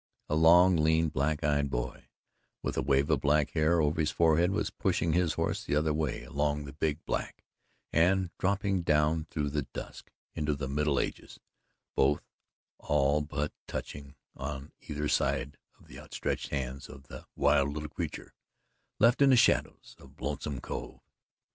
A long, lean, black eyed boy, with a wave of black hair over his forehead, was pushing his horse the other way along the Big Black and dropping down through the dusk into the Middle Ages both all but touching on either side the outstretched hands of the wild little creature left in the shadows of Lonesome Cove.